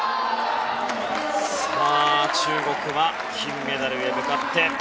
中国は、金メダルへ向かって。